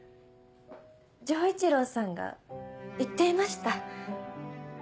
丈一郎さんが言っていました。